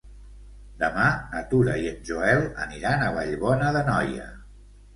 Demà na Tura i en Joel aniran a Vallbona d'Anoia.